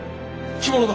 着物だ！